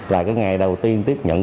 là cái ngày đầu tiên tiếp nhận